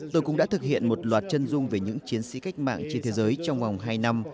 tôi cũng đã thực hiện một loạt chân dung về những chiến sĩ cách mạng trên thế giới trong vòng hai năm